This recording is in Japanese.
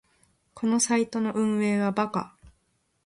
このサイトの運営はバカ